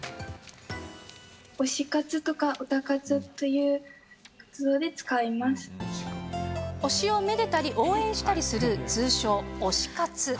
推し活とかオタ活という活動推しをめでたり、応援したりする通称推し活。